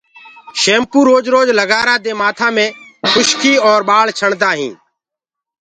شيمپو روج روج لگآرآ دي مآٿآ مي کُشڪي اور ٻآݪ ڇڻدآ هينٚ۔